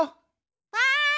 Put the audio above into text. わい！